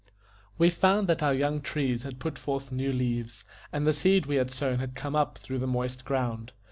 We found our young trees had put forth new leaves, and the seed we had sown had come up through the moist ground.